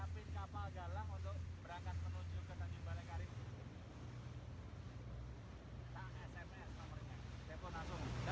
berita terkini mengenai cuaca ekstrem dua ribu dua puluh satu di jepang